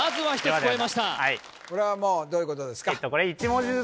はいこれはもうどういうことですか？